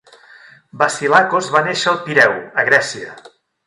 Vasilakos va néixer al Pireu, a Grècia.